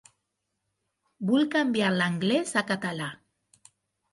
Vull canviar l'anglès a català.